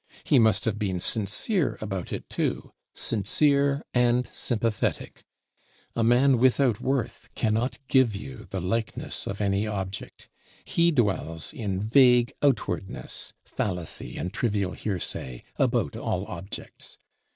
He must have been sincere about it too; sincere and sympathetic: a man without worth cannot give you the likeness of any object; he dwells in vague outwardness, fallacy and trivial hearsay, about all objects.